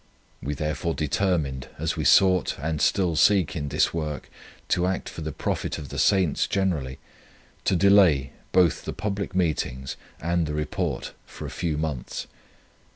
We therefore determined, as we sought and still seek in this work to act for the profit of the saints generally, to delay both the public meetings and the Report for a few months.